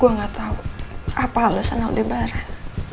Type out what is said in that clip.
gue gak tau apa alasan aldebaran